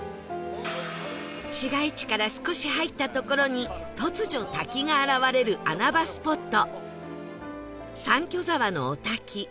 市街地から少し入ったところに突如滝が現れる穴場スポット三居澤の御滝